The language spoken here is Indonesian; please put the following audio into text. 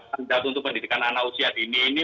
standar untuk pendidikan anak usia dini ini